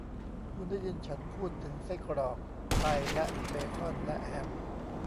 คุณได้ยินฉันพูดถึงไส้กรอก ไตและเบคอนและแฮม